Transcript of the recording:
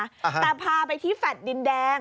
อาฮะแต่พาไปที่แฟ๊ดดินแดง